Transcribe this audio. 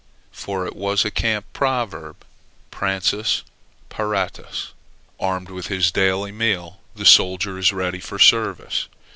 For it was a camp proverb Pransus, paratus; armed with his daily meal, the soldier is ready for service.